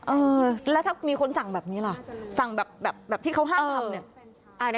เออแล้วถ้ามีคนสั่งแบบนี้ล่ะสั่งแบบที่เขาห้ามทำเนี่ย